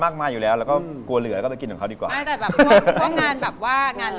อยากเป็นเล่นนักเอกของพี่ป้องเหมือนกันนะ